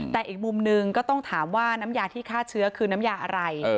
แต่อีกมุมหนึ่งก็ต้องถามว่าน้ำยาที่ฆ่าเชื้อคือน้ำยาอะไร